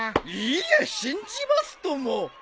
いいえ信じますとも！